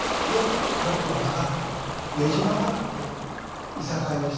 「曲」は曲がっているねじ曲がっていさかいをしてしまうという。